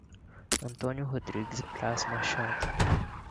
Antônio Rodrigues Braz Machado